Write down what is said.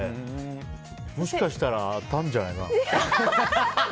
もしかしたら当たるんじゃないかな？